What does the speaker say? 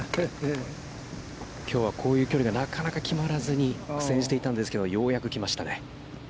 きょうはこういう距離がなかなか決まらずに苦戦していたんですけど、ようやく来ましたね。